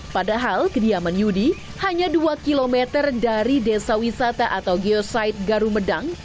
padahal kediaman yudi hanya dua km dari desa wisata atau geosite garumedang